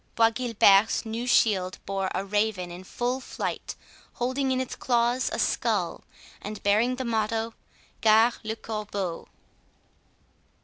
Bois Guilbert's new shield bore a raven in full flight, holding in its claws a skull, and bearing the motto, "Gare le Corbeau".